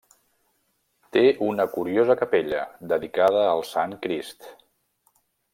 Té una curiosa capella, dedicada al Sant Crist.